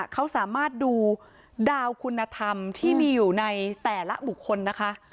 เขาสามารถดูดาวคุณธรรมที่มีอยู่ในแต่ละบุคคลนะคะ